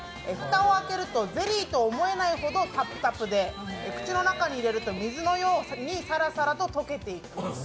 蓋を開けるとゼリーと思えないほど、たぷたぷで口の中に入れると水のようにさらさらと溶けていくんです。